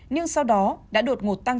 nhưng sau đó đã đột ngột tăng